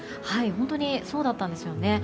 本当にそうだったんですよね。